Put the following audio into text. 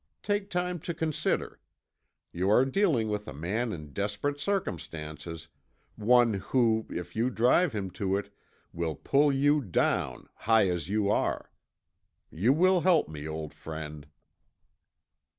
Take time to consider. You are dealing with a man in desperate circumstances, one who, if you drive him to it, will pull you down, high as you are. You will help me, old friend."